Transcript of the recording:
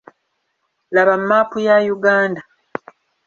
Laba maapu ya Uganda.